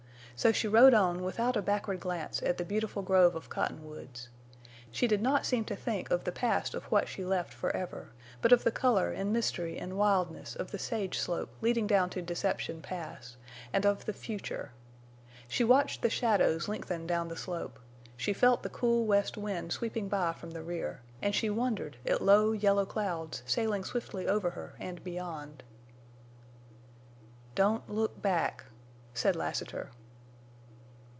So she rode on without a backward glance at the beautiful grove of Cottonwoods. She did not seem to think of the past of what she left forever, but of the color and mystery and wildness of the sage slope leading down to Deception Pass, and of the future. She watched the shadows lengthen down the slope; she felt the cool west wind sweeping by from the rear; and she wondered at low, yellow clouds sailing swiftly over her and beyond. "Don't look—back!" said Lassiter.